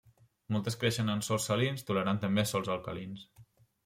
Moltes creixen en sòls salins tolerant també sòls alcalins.